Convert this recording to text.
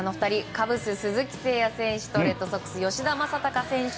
カブス、鈴木誠也選手とレッドソックス、吉田正尚選手